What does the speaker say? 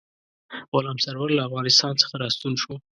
غلام سرور له افغانستان څخه را ستون شو.